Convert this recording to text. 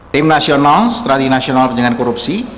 tim nasional strati nasional pencegahan korupsi